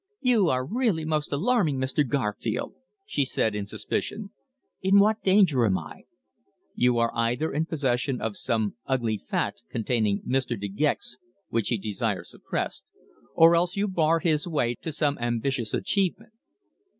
"You are really most alarming, Mr. Garfield," she said in suspicion. "In what danger am I?" "You are either in possession of some ugly fact concerning Mr. De Gex which he desires suppressed, or else you bar his way to some ambitious achievement."